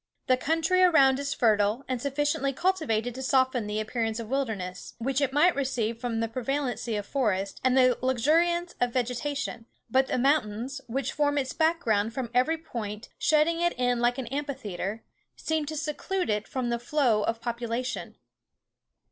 The country around is fertile, and sufficiently cultivated to soften the appearance of wilderness, which it might receive from the prevalency of forest, and the luxuriance of vegetation; but the mountains, which form its back ground from every point, shutting it in like an amphitheatre, seem to seclude it from the flow of population.